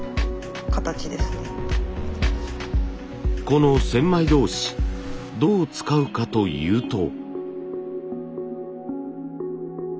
この千枚通しどう使うかというと。